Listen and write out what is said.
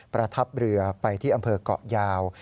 ประทับเรือไปที่อำเภอกเกาะยาว